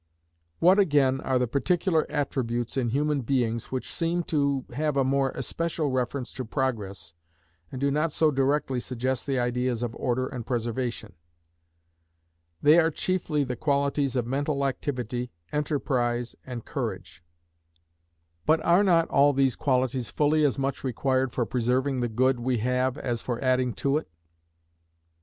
What, again, are the particular attributes in human beings which seem to have a more especial reference to Progress, and do not so directly suggest the ideas of Order and Preservation? They are chiefly the qualities of mental activity, enterprise, and courage. But are not all these qualities fully as much required for preserving the good we have as for adding to it?